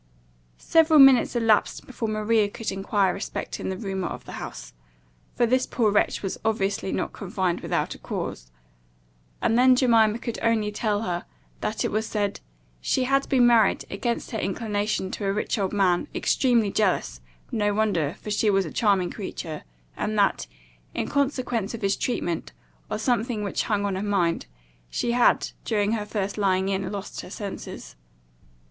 Several minutes elapsed before Maria could enquire respecting the rumour of the house (for this poor wretch was obviously not confined without a cause); and then Jemima could only tell her, that it was said, "she had been married, against her inclination, to a rich old man, extremely jealous (no wonder, for she was a charming creature); and that, in consequence of his treatment, or something which hung on her mind, she had, during her first lying in, lost her senses."